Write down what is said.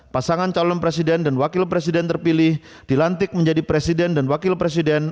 pasangan calon presiden dan wakil presiden terpilih dilantik menjadi presiden dan wakil presiden